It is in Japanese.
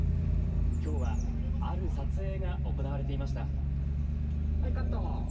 きょうはある撮影が行われていました。